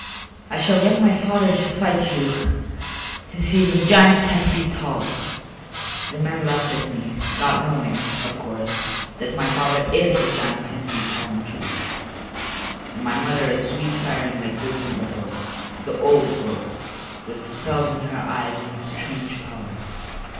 "I shall get my father to fight you, since he is a giant ten feet tall." The men laughed at me, not knowing, of course, that my father is a giant ten feet tall in truth, and my mother a sweet siren like those in the books, the old books, with spells in her eyes and a strange power.